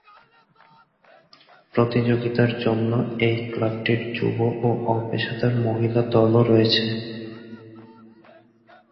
প্রতিযোগিতার জন্য এই ক্লাবটির যুব ও অপেশাদার মহিলা দলও রয়েছে।